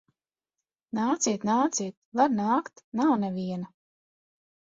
Nāciet, nāciet! Var nākt. Nav neviena.